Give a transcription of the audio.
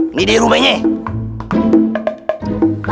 ini deh rumahnya